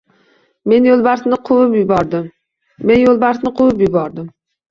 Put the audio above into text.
Men Yo‘lbarsni quvib yubordim